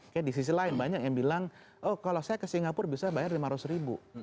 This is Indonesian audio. kayak di sisi lain banyak yang bilang oh kalau saya ke singapura bisa bayar lima ratus ribu